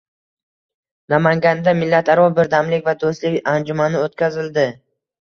Namanganda millatlararo birdamlik va do‘stlik anjumani o‘tkazilding